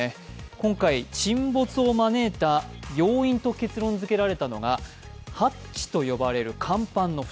今回、沈没を招いた要因と結論づけられたのがハッチと呼ばれる甲板の蓋。